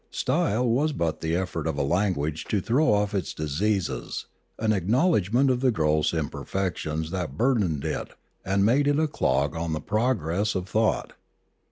Style was but the effort of a language to throw off its diseases, an acknowledgment of the gross imperfections that burdened it and made it a clog on the progress of thought.